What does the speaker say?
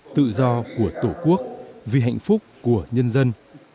tự do của tổ quốc vì hạnh phúc của nhân dân